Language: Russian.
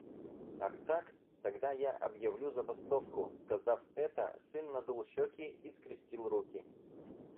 «Ах так? Тогда я объявляю забастовку!» — сказав это, сын надул щёки и скрестил руки.